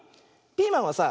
ピーマンはさ